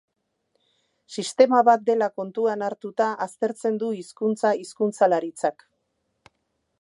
Sistema bat dela kontuan hartuta aztertzen du hizkuntza hizkuntzalaritzak.